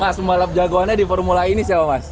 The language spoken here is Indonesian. mas pembalap jagoannya di formula e ini siapa mas